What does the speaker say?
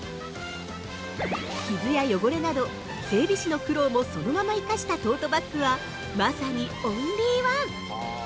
傷や汚れなど整備士の苦労もそのまま生かしたトートバックはまさにオンリーワン！